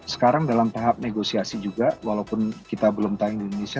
sekarang dalam tahap negosiasi juga walaupun kita belum tahu di indonesia